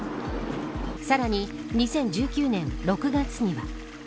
さらに２０１９年６月には。